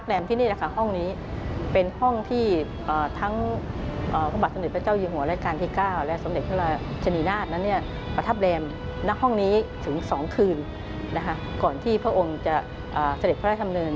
อันหนึ่งนะครับเกี่ยวกับเรื่องของพระองค์ท่าน